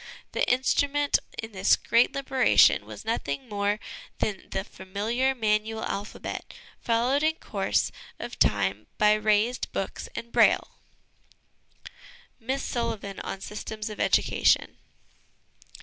The instru ment in this great liberation was nothing more than the familiar manual alphabet, followed in course of time by raised books and c Braille.' Miss Sullivan on Systems of Education.